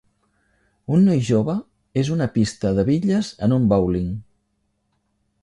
un noi jove és una pista de bitlles en un bowling.